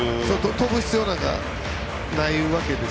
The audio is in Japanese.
跳ぶ必要なんかないわけです。